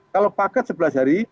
kalau paket sebelas hari